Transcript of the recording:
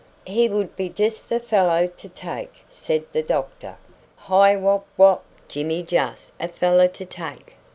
"He would be just the fellow to take," said the doctor. "Hi wup wup! Jimmy juss a fellow to take."